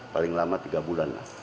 paling lama tiga bulan lah